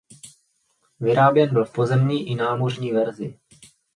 Vyráběn byl v pozemní i námořní verzi.